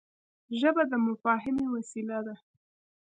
ژبه د مفاهمې وسیله ده